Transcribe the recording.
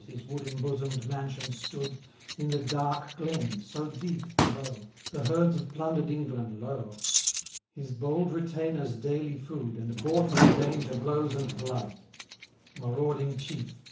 His wood embosom'd mansion stood ; In the dark glen, so deep below ; The herds of plundered England low ; His bold retainers* daily food. And bought with danger, blows, and bloods Marauding chief